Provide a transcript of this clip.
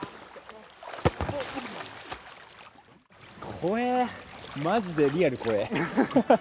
怖え、マジでリアル怖え。